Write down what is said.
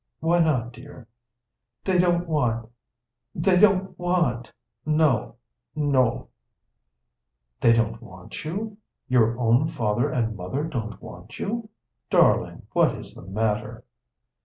"Why not, dear?" "They don't want; they don't want. No, no!" "They don't want you? Your own father and mother don't want you? Darling, what is the matter?"